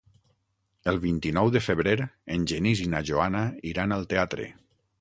El vint-i-nou de febrer en Genís i na Joana iran al teatre.